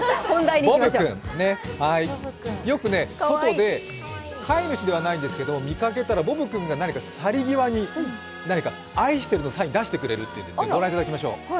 ボブくん、よく、外で飼い主ではないんですけど、見かけたらボブくんが去り際に愛してるのサインを出してくれるっていうんです、ご覧いただきましょう。